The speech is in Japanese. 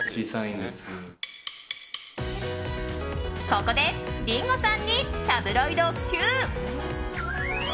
ここでリンゴさんにタブロイドＱ！